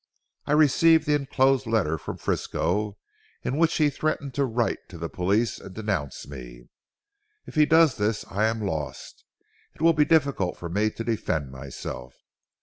I received the enclosed letter from Frisco, in which he threatened to write to the police and denounce me. If he does this I am lost. It will be difficult for me to defend myself.